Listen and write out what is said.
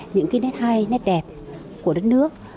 những cái nét hay nét đẹp của đất nước